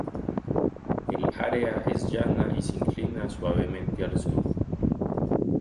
El área es llana y se inclina suavemente al sur.